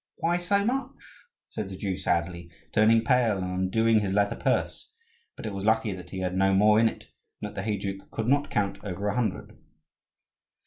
"Why so much?" said the Jew, sadly, turning pale, and undoing his leather purse; but it was lucky that he had no more in it, and that the heyduke could not count over a hundred.